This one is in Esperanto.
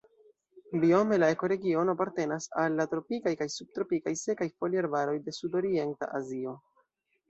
Biome la ekoregiono apartenas al la tropikaj kaj subtropikaj sekaj foliarbaroj de Sudorienta Azio.